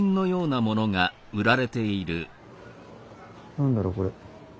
何だろうこれ。